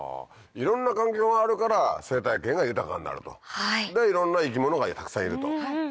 いろんな環境があるから生態系が豊かになると。でいろんな生き物がたくさんいると。